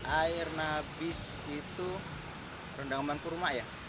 air nabis itu rendaman kurma ya